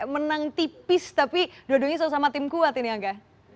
menang tipis tapi dua duanya sama tim kuat ini angga